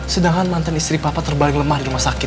sedangkan mantan istri papa terbaring lemah di rumah sakit